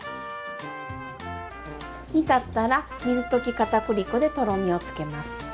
煮立ったら水溶き片栗粉でとろみをつけます。